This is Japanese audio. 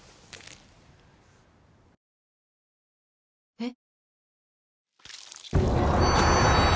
えっ？